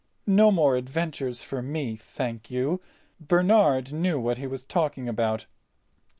No more adventures for me, thank you. Bernard knew what he was talking about."